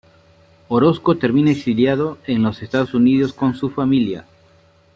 Orozco termina exiliado en los Estados Unidos con su familia.